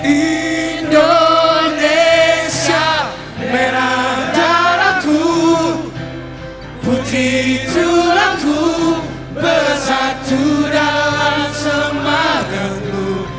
indonesia merah daraku putih tulaku bersatu dalam sepakatmu